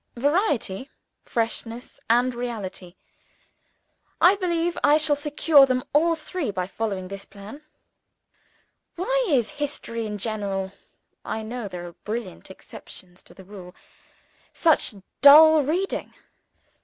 Variety, freshness, and reality I believe I shall secure them all three by following this plan. Why is History in general (I know there are brilliant exceptions to the rule) such dull reading?